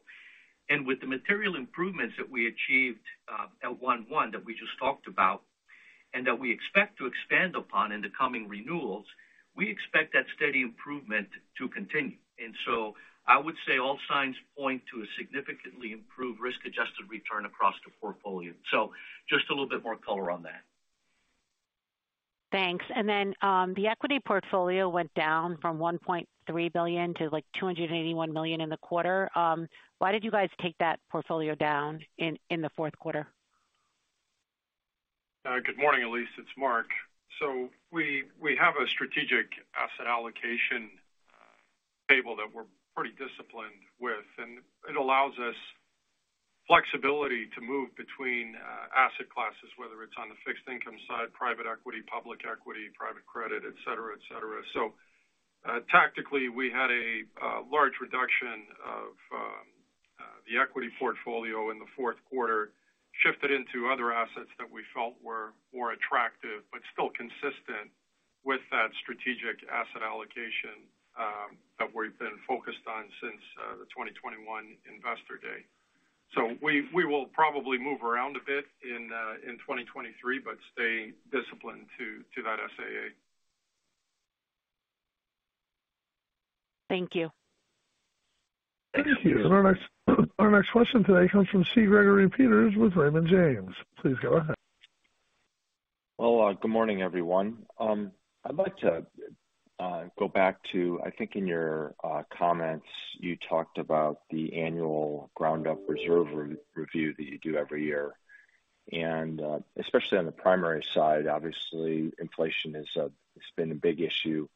[SPEAKER 3] With the material improvements that we achieved, at 1/1 that we just talked about and that we expect to expand upon in the coming renewals, we expect that steady improvement to continue. I would say all signs point to a significantly improved risk-adjusted return across the portfolio. Just a little bit more color on that.
[SPEAKER 10] Thanks. The equity portfolio went down from $1.3 billion to, like, $281 million in the quarter. Why did you guys take that portfolio down in the Q4?
[SPEAKER 4] Good morning, Elyse. It's Mark Kociancic. We have a strategic asset allocation table that we're pretty disciplined with, and it allows us flexibility to move between asset classes, whether it's on the fixed income side, private equity, public equity, private credit, et cetera, et cetera. Tactically, we had a large reduction of the equity portfolio in the Q4 shifted into other assets that we felt were more attractive but still consistent with that strategic asset allocation that we've been focused on since the 2021 investor day. We will probably move around a bit in 2023, but stay disciplined to that SAA.
[SPEAKER 10] Thank you.
[SPEAKER 1] Thank you. Our next question today comes from C. Gregory Peters with Raymond James. Please go ahead.
[SPEAKER 11] Well, good morning, everyone. I'd like to go back to, I think in your comments, you talked about the annual ground-up reserve re-review that you do every year. Especially on the primary side, obviously inflation is it's been a big issue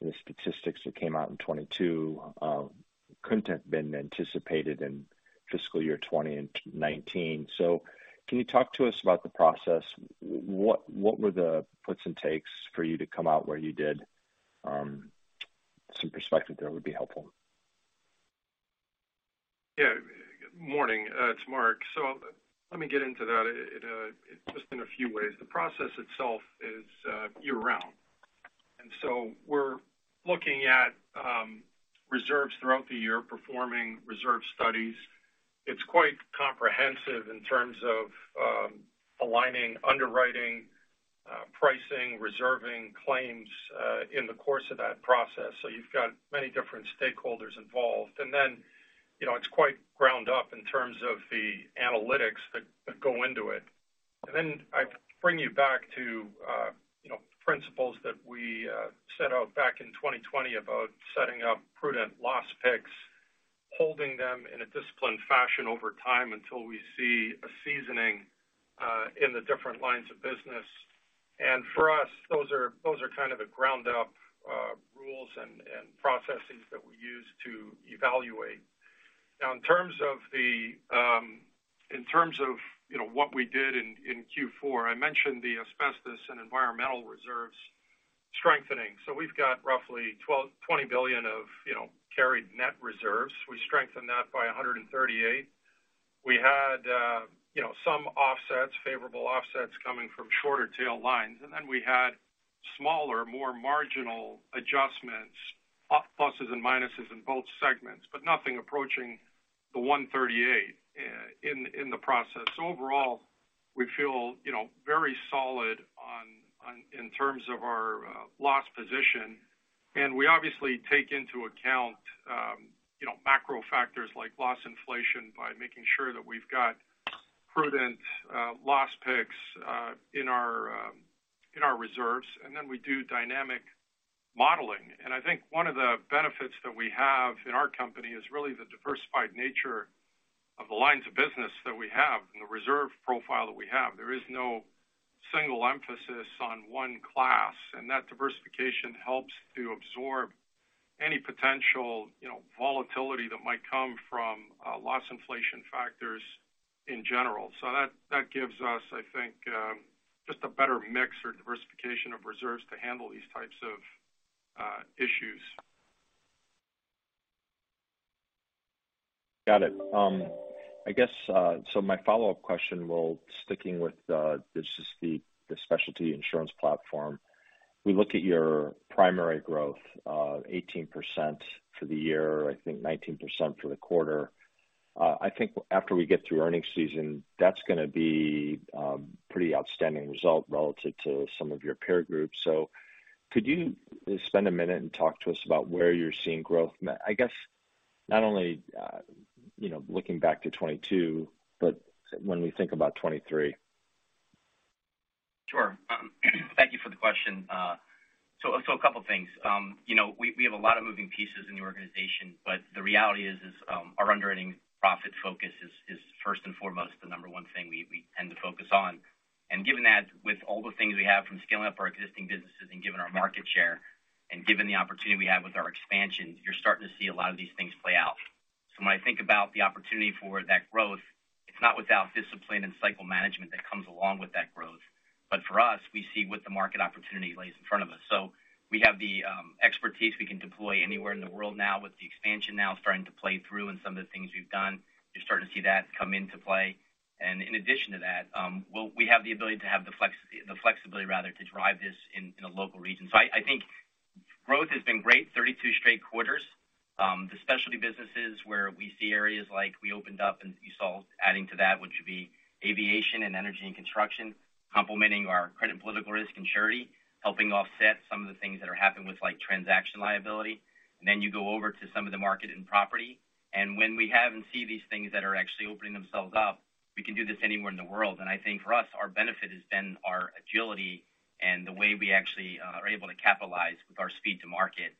[SPEAKER 11] in the statistics that came out in 2022. Couldn't have been anticipated in fiscal year 2019. Can you talk to us about the process? What, what were the puts and takes for you to come out where you did? Some perspective there would be helpful.
[SPEAKER 4] Yeah. Morning, it's Mark. Let me get into that in just in a few ways. The process itself is year-round, we're looking at reserves throughout the year, performing reserve studies. It's quite comprehensive in terms of aligning underwriting, pricing, reserving claims, in the course of that process. You've got many different stakeholders involved. You know, it's quite ground up in terms of the analytics that go into it. I bring you back to, you know, principles that we set out back in 2020 about setting up prudent loss picks, holding them in a disciplined fashion over time until we see a seasoning in the different lines of business. For us, those are kind of the ground up rules and processes that we use to evaluate. In terms of the, in terms of, you know, what we did in Q4, I mentioned the asbestos and environmental reserves strengthening. We've got roughly $20 billion of, you know, carried net reserves. We strengthened that by $138. We had, you know, some offsets, favorable offsets coming from shorter tail lines. Then we had smaller, more marginal adjustments, pluses and minuses in both segments, but nothing approaching the $138 in the process. Overall, we feel, you know, very solid on in terms of our loss position, and we obviously take into account, you know, macro factors like loss inflation by making sure that we've got prudent loss picks in our in our reserves. Then we do dynamic modeling. I think one of the benefits that we have in our company is really the diversified nature of the lines of business that we have and the reserve profile that we have. There is no single emphasis on one class, and that diversification helps to absorb any potential, you know, volatility that might come from loss inflation factors in general. That, that gives us, I think, just a better mix or diversification of reserves to handle these types of issues.
[SPEAKER 11] Got it. I guess, well, sticking with the just the specialty insurance platform. We look at your primary growth of 18% for the year, I think 19% for the quarter. I think after we get through earnings season, that's gonna be pretty outstanding result relative to some of your peer groups. Could you spend a minute and talk to us about where you're seeing growth? I guess not only, you know, looking back to 2022, but when we think about 2023.
[SPEAKER 9] Sure. Thank you for the question. So a couple things. You know, we have a lot of moving pieces in the organization, but the reality is, our underwriting profit focus is first and foremost the number one thing we tend to focus on. Given that with all the things we have from scaling up our existing businesses and given our market share and given the opportunity we have with our expansion, you're starting to see a lot of these things play out. When I think about the opportunity for that growth, it's not without discipline and cycle management that comes along with that growth. For us, we see what the market opportunity lays in front of us. We have the expertise we can deploy anywhere in the world now with the expansion now starting to play through and some of the things we've done, you're starting to see that come into play. In addition to that, we have the ability to have the flexibility rather to drive this in a local region. I think growth has been great, 32 straight quarters. The specialty businesses where we see areas like we opened up and you saw adding to that, which would be aviation and energy and construction, complementing our credit and political risk and surety, helping offset some of the things that are happening with like transaction liability. You go over to some of the market and property, and when we have and see these things that are actually opening themselves up, we can do this anywhere in the world. I think for us, our benefit has been our agility and the way we actually are able to capitalize with our speed to market.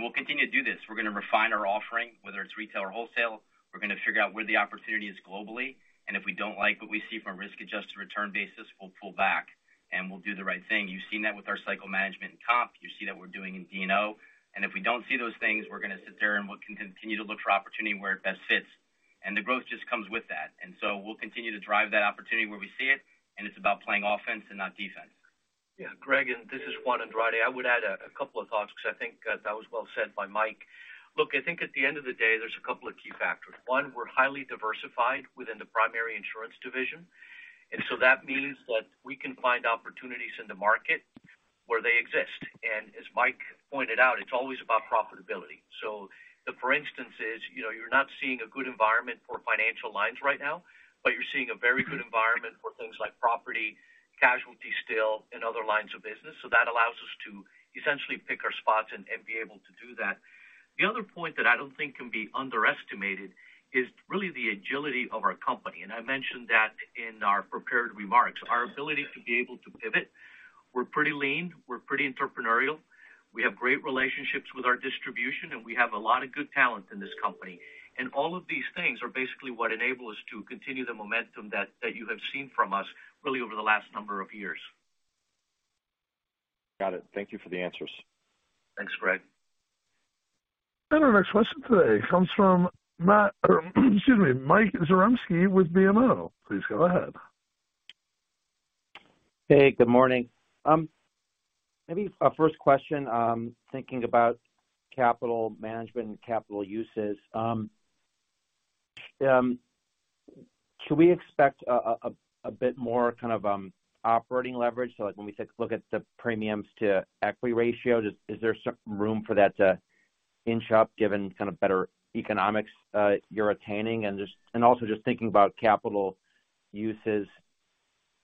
[SPEAKER 9] We'll continue to do this. We're gonna refine our offering, whether it's retail or wholesale. We're gonna figure out where the opportunity is globally, and if we don't like what we see from a risk-adjusted return basis, we'll pull back, and we'll do the right thing. You've seen that with our cycle management in comp. You see that we're doing in D&O. If we don't see those things, we're gonna sit there and we'll continue to look for opportunity where it best fits. The growth just comes with that. We'll continue to drive that opportunity where we see it, and it's about playing offense and not defense.
[SPEAKER 3] Yeah, Greg, this is Juan Andrade. I would add a couple of thoughts because I think, that was well said by Mike. I think at the end of the day, there's a couple of key factors. One, we're highly diversified within the primary insurance division, that means that we can find opportunities in the market where they exist. As Mike pointed out, it's always about profitability. The for instance is, you know, you're not seeing a good environment for financial lines right now, but you're seeing a very good environment for things like property, casualty still, and other lines of business. That allows us to essentially pick our spots and be able to do that. The other point that I don't think can be underestimated is really the agility of our company. I mentioned that in our prepared remarks. Our ability to be able to pivot. We're pretty lean, we're pretty entrepreneurial. We have great relationships with our distribution, we have a lot of good talent in this company. All of these things are basically what enable us to continue the momentum that you have seen from us really over the last number of years.
[SPEAKER 11] Got it. Thank you for the answers.
[SPEAKER 6] Thanks, Greg.
[SPEAKER 1] Our next question today comes from Mike Zaremski with BMO. Please go ahead.
[SPEAKER 12] Hey, good morning. Maybe a first question, thinking about capital management and capital uses. Should we expect a bit more kind of operating leverage? Like when we said look at the premiums to equity ratio, just is there some room for that to inch up given kind of better economics, you're attaining? Also just thinking about capital uses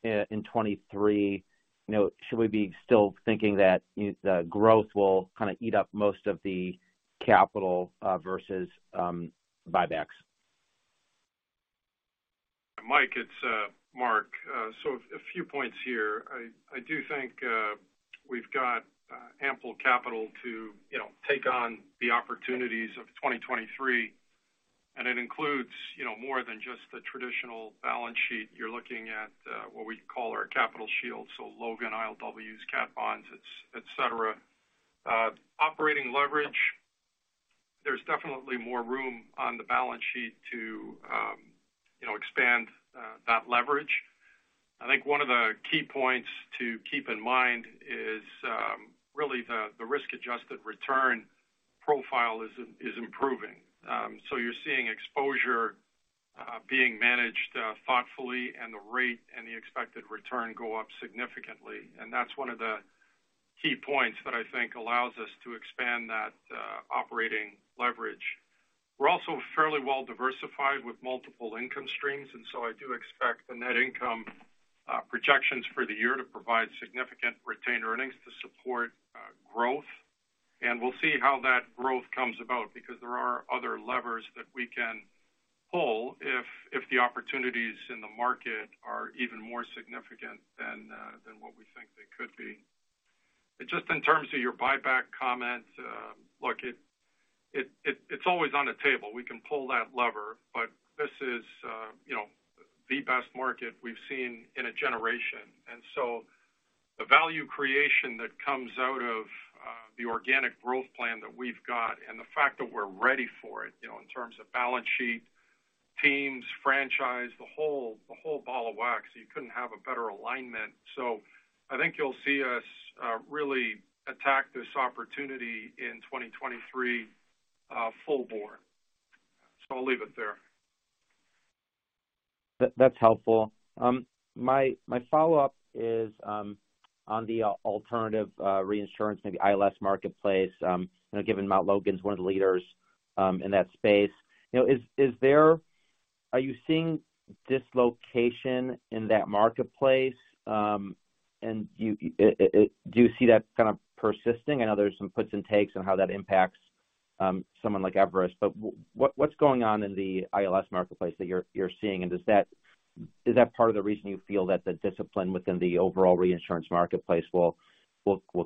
[SPEAKER 12] in 2023. You know, should we be still thinking that the growth will kind of eat up most of the capital, versus buybacks?
[SPEAKER 4] Mike, it's Mark. A few points here. I do think we've got ample capital to, you know, take on the opportunities of 2023, and it includes, you know, more than just the traditional balance sheet. You're looking at what we call our capital shield, so Logan ILWs, cat bonds, etcetera. Operating leverage, there's definitely more room on the balance sheet to, you know, expand that leverage. I think one of the key points to keep in mind is really the risk-adjusted return profile is improving. You're seeing exposure being managed thoughtfully and the rate and the expected return go up significantly. That's one of the key points that I think allows us to expand that operating leverage. We're also fairly well diversified with multiple income streams. I do expect the net income projections for the year to provide significant retained earnings to support growth. We'll see how that growth comes about because there are other levers that we can pull if the opportunities in the market are even more significant than what we think they could be. Just in terms of your buyback comment, look, it's always on the table. We can pull that lever, but this is, you know, the best market we've seen in a generation. The value creation that comes out of the organic growth plan that we've got and the fact that we're ready for it, you know, in terms of balance sheet, teams, franchise, the whole ball of wax, you couldn't have a better alignment. I think you'll see us really attack this opportunity in 2023 full bore. I'll leave it there.
[SPEAKER 12] That's helpful. My follow-up is on the alternative reinsurance, maybe ILS marketplace, you know, given Mount Logan's one of the leaders in that space. You know, are you seeing dislocation in that marketplace? Do you see that kind of persisting? I know there's some puts and takes on how that impacts someone like Everest, but what's going on in the ILS marketplace that you're seeing? Is that part of the reason you feel that the discipline within the overall reinsurance marketplace will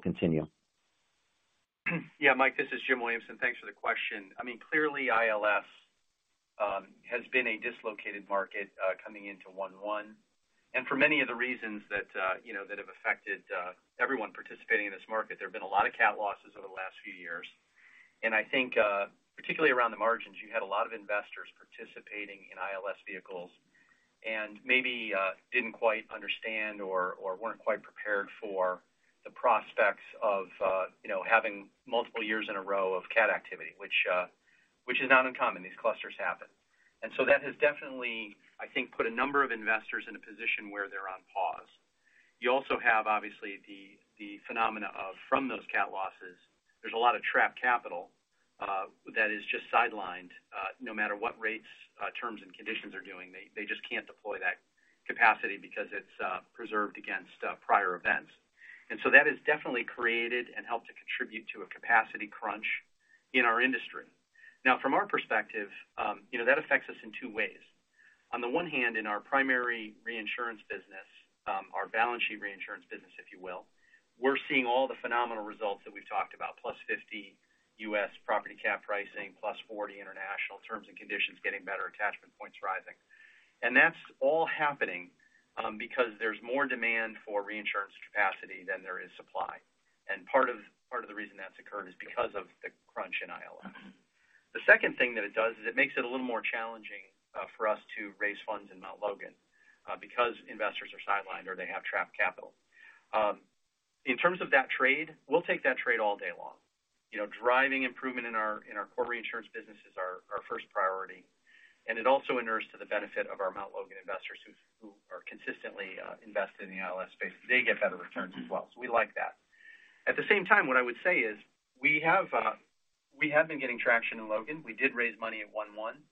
[SPEAKER 12] continue?
[SPEAKER 6] Yeah. Mike, this is Jim Williamson. Thanks for the question. I mean, clearly ILS has been a dislocated market coming into 1/1. For many of the reasons that, you know, that have affected everyone participating in this market. There have been a lot of cat losses over the last few years. I think, particularly around the margins, you had a lot of investors participating in ILS vehicles and maybe didn't quite understand or weren't quite prepared for the prospects of, you know, having multiple years in a row of cat activity, which is not uncommon. These clusters happen. That has definitely, I think, put a number of investors in a position where they're on pause. You also have obviously the phenomena of, from those cat losses, there's a lot of trapped capital that is just sidelined, no matter what rates, terms and conditions are doing. They just can't deploy that capacity because it's preserved against prior events. That has definitely created and helped to contribute to a capacity crunch in our industry. From our perspective, you know, that affects us in two ways. On the one hand, in our primary reinsurance business, our balance sheet reinsurance business, if you will, we're seeing all the phenomenal results that we've talked about, plus 50% U.S. property cat pricing, plus 40% international terms and conditions getting better, attachment points rising. That's all happening because there's more demand for reinsurance capacity than there is supply. Part of the reason that's occurred is because of the crunch in ILS. The second thing that it does is it makes it a little more challenging for us to raise funds in Mount Logan because investors are sidelined or they have trapped capital. In terms of that trade, we'll take that trade all day long. You know, driving improvement in our core reinsurance business is our first priority. It also inures to the benefit of our Mount Logan investors who are consistently invested in the ILS space. They get better returns as well, so we like that. At the same time, what I would say is, we have been getting traction in Logan. We did raise money at 1-1,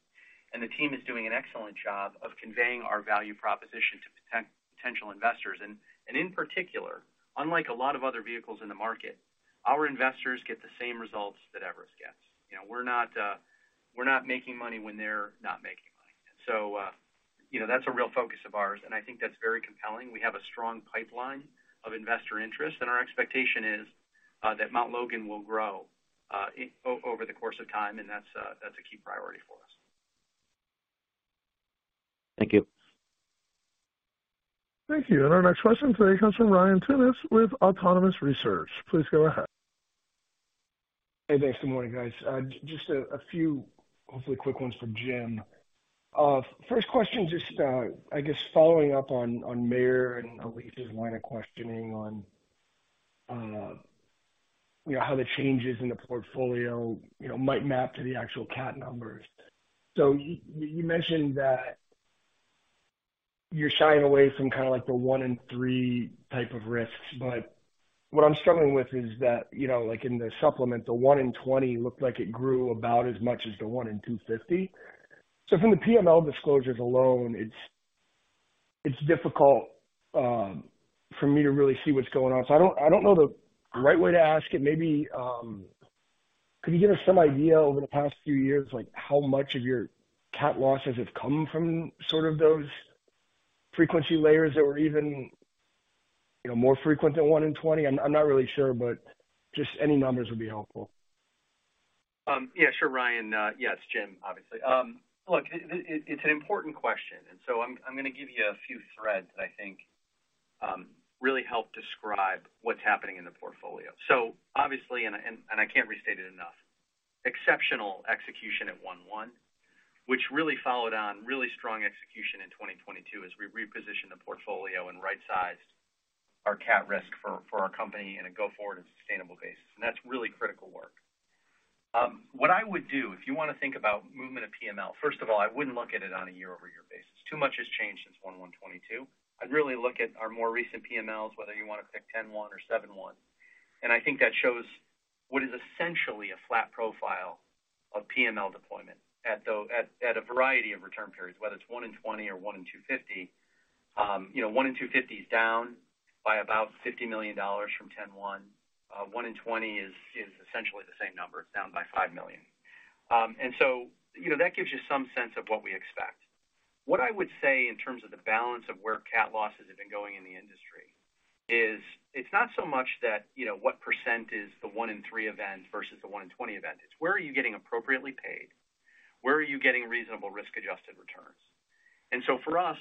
[SPEAKER 6] the team is doing an excellent job of conveying our value proposition to potential investors. In particular, unlike a lot of other vehicles in the market, our investors get the same results that Everest gets. You know, we're not, we're not making money when they're not making money. You know, that's a real focus of ours, and I think that's very compelling. We have a strong pipeline of investor interest, and our expectation is that Mt. Logan will grow over the course of time, and that's a key priority for us.
[SPEAKER 12] Thank you.
[SPEAKER 1] Thank you. Our next question today comes from Ryan Tunis with Autonomous Research. Please go ahead.
[SPEAKER 13] Hey, thanks. Good morning, guys. Just a few, hopefully quick ones for Jim. First question just, I guess following up on Meyer and Elyse's line of questioning on, you know, how the changes in the portfolio, you know, might map to the actual cat numbers. You mentioned that you're shying away from kind of like the one in three type of risks. What I'm struggling with is that, you know, like in the supplement, the 1 in 20 looked like it grew about as much as the 1 in 250. From the PML disclosures alone, it's difficult for me to really see what's going on. I don't, I don't know the right way to ask it. Maybe, could you give us some idea over the past few years, like how much of your cat losses have come from sort of those frequency layers that were even, you know, more frequent than 1 in 20? I'm not really sure, but just any numbers would be helpful.
[SPEAKER 6] Yeah, sure, Ryan. Yes, Jim, obviously. Look, it's an important question, and so I'm gonna give you a few threads that I think really help describe what's happening in the portfolio. Obviously, and I can't restate it enough, exceptional execution at 1/1, which really followed on really strong execution in 2022 as we repositioned the portfolio and right-sized our cat risk for our company in a go forward and sustainable basis. That's really critical work. What I would do, if you wanna think about movement of PML, first of all, I wouldn't look at it on a year-over-year basis. Too much has changed since 1/1 2022. I'd really look at our more recent PMLs, whether you wanna pick 10/1 or 7/1, and I think that shows what is essentially a flat profile of PML deployment at a variety of return periods, whether it's 1 in 20 or 1 in 250. You know, 1 in 250 is down by about $50 million from 10/1. 1 in 20 is essentially the same number. It's down by $5 million. You know, that gives you some sense of what we expect. What I would say in terms of the balance of where cat losses have been going in the industry is it's not so much that, you know, what % is the one in three event versus the 1 in 20 event. It's where are you getting appropriately paid? Where are you getting reasonable risk-adjusted returns? For us,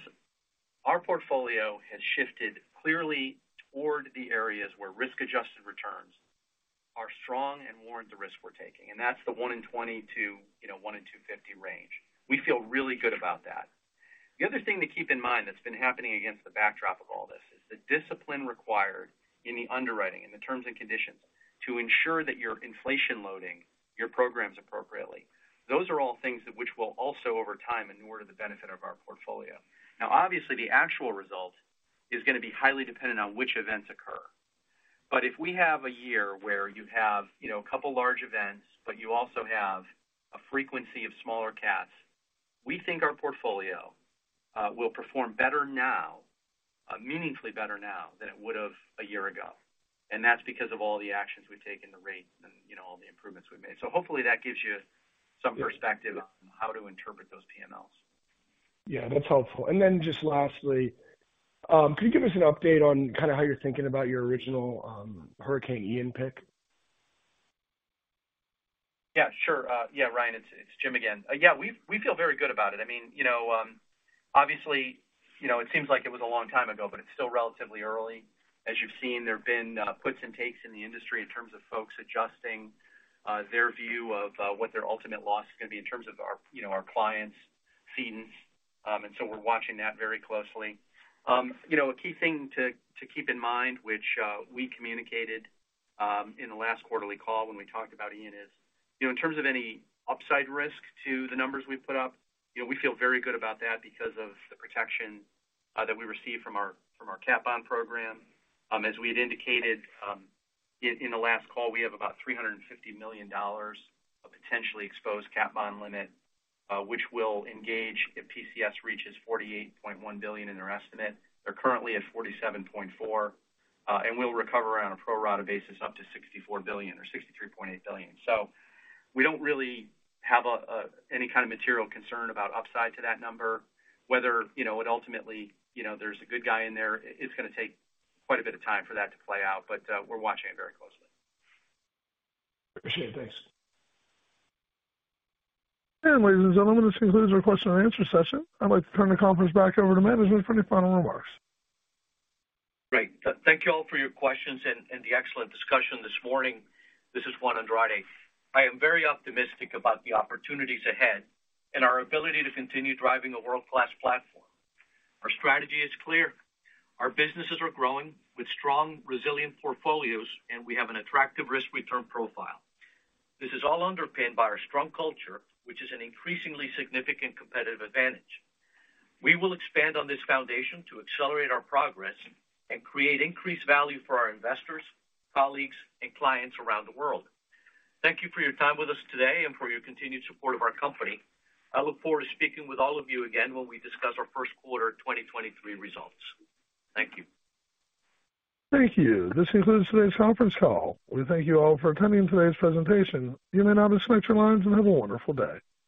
[SPEAKER 6] our portfolio has shifted clearly toward the areas where risk-adjusted returns are strong and warrant the risk we're taking, and that's the 1 in 20 to, you know, 1 in 250 range. We feel really good about that. The other thing to keep in mind that's been happening against the backdrop of all this is the discipline required in the underwriting and the terms and conditions to ensure that you're inflation loading your programs appropriately. Those are all things that which will also, over time, inure to the benefit of our portfolio. Obviously, the actual result is gonna be highly dependent on which events occur. If we have a year where you have, you know, a couple large events, but you also have a frequency of smaller cats, we think our portfolio will perform better now, meaningfully better now than it would have a year ago. That's because of all the actions we've taken to rate and, you know, all the improvements we've made. Hopefully that gives you some perspective on how to interpret those PMLs.
[SPEAKER 13] Yeah, that's helpful. Just lastly, could you give us an update on kind of how you're thinking about your original Hurricane Ian pick?
[SPEAKER 6] Yeah, sure. Yeah, Ryan, it's Jim again. Yeah, we feel very good about it. I mean, you know, obviously, you know, it seems like it was a long time ago, but it's still relatively early. As you've seen, there have been puts and takes in the industry in terms of folks adjusting their view of what their ultimate loss is gonna be in terms of our, you know, our clients' cedents, we're watching that very closely. You know, a key thing to keep in mind, which we communicated in the last quarterly call when we talked about Ian is, you know, in terms of any upside risk to the numbers we've put up, you know, we feel very good about that because of the protection that we receive from our, from our cap on program. As we had indicated, in the last call, we have about $350 million of potentially exposed cat bond limit, which will engage if PCS reaches $48.1 billion in their estimate. They're currently at $47.4 billion, and we'll recover on a pro rata basis up to $64 billion or $63.8 billion. We don't really have any kind of material concern about upside to that number, whether, you know, it ultimately, you know, there's a good guy in there. It's gonna take quite a bit of time for that to play out, but, we're watching it very closely.
[SPEAKER 13] Appreciate it. Thanks.
[SPEAKER 1] Ladies and gentlemen, this concludes our question and answer session. I'd like to turn the conference back over to management for any final remarks.
[SPEAKER 3] Great. Thank you all for your questions and the excellent discussion this morning. This is Juan Andrade. I am very optimistic about the opportunities ahead and our ability to continue driving a world-class platform. Our strategy is clear. Our businesses are growing with strong, resilient portfolios, and we have an attractive risk-return profile. This is all underpinned by our strong culture, which is an increasingly significant competitive advantage. We will expand on this foundation to accelerate our progress and create increased value for our investors, colleagues, and clients around the world. Thank you for your time with us today and for your continued support of our company. I look forward to speaking with all of you again when we discuss our Q1 2023 results. Thank you.
[SPEAKER 1] Thank you. This concludes today's conference call. We thank you all for attending today's presentation. You may now disconnect your lines and have a wonderful day.